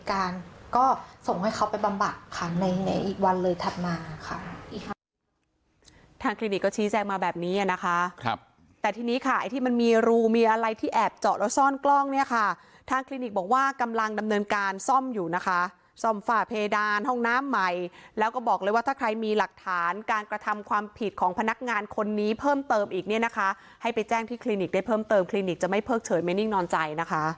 ค่ะในไหนอีกวันเลยถัดมาค่ะทางคลินิกก็ชี้แจ้งมาแบบนี้นะคะครับแต่ทีนี้ค่ะไอ้ที่มันมีรูมีอะไรที่แอบเจาะแล้วซ่อนกล้องเนี่ยค่ะทางคลินิกบอกว่ากำลังดำเนินการซ่อมอยู่นะคะซ่อมฝ่าเพดานห้องน้ำใหม่แล้วก็บอกเลยว่าถ้าใครมีหลักฐานการกระทำความผิดของพนักงานคนนี้เพิ่มเติมอีกเนี่ยนะคะให